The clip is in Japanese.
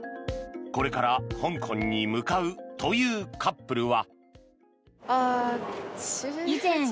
これから香港に向かうというカップルは。